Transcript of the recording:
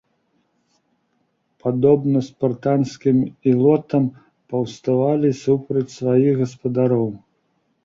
Падобна спартанскім ілотам, паўставалі супраць сваіх гаспадароў.